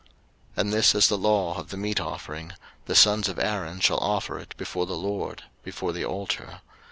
03:006:014 And this is the law of the meat offering: the sons of Aaron shall offer it before the LORD, before the altar.